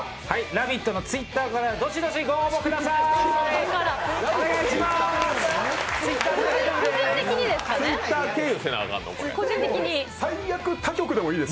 「ラヴィット！」のＴｗｉｔｔｅｒからどしどしご応募くださーい。